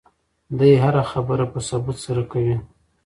دی هره خبره په ثبوت سره کوي.